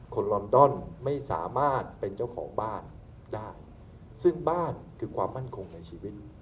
ลอนดอนไม่สามารถเป็นเจ้าของบ้านได้ซึ่งบ้านคือความมั่นคงในชีวิต